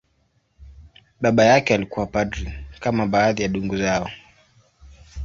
Baba yake alikuwa padri, kama baadhi ya ndugu zao.